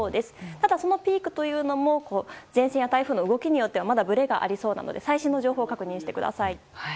ただ、そのピークというのも前線の動きによってはブレがありそうですので最新の情報を確認してください。